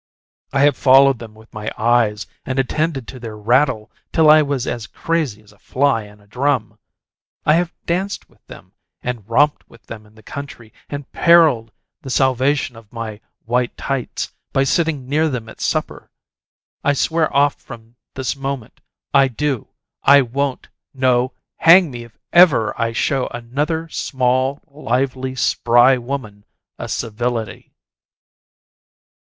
I have followed them with my eyes, and attended to their rattle till I was as crazy as a fly in a drum. I have danced with them, and romped with them in the country, and periled the salvation of my "white tights" by sitting near them at supper. I swear off from this moment. I do. I won't no hang me if ever I show another small, lively, spry woman a civility.